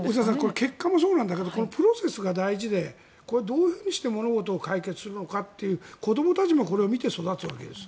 結果もそうだけどプロセスが大事でこれはどういうふうにして物事が解決するのかっていう子どもたちもこれも見て育つわけです。